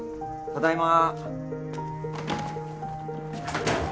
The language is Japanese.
ただいま。